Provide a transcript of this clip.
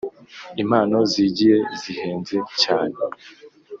impano zigiye zihenze cyane,